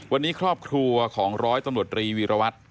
วันนี้ครอบครัวของร้อยตำรวจรีวีรวัตร